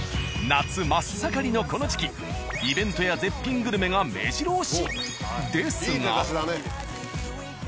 夏真っ盛りのこの時期イベントや絶品グルメがめじろ押し！ですが。